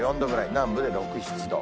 南部で６、７度。